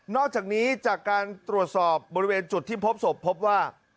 อกจากนี้จากการตรวจสอบบริเวณจุดที่พบศพพบว่า